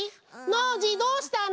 ノージーどうしたの？